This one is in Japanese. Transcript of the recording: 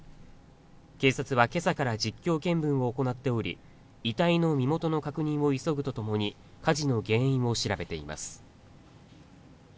警察は今朝から実況見分を行っており、遺体の身元の確認を急ぐとともに火事の原因を調べています。